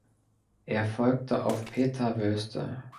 Er folgte auf Peter Woeste.